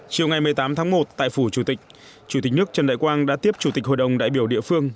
chiều ngày một mươi tám tháng một tại phủ chủ tịch chủ tịch nước trần đại quang đã tiếp chủ tịch hội đồng đại biểu địa phương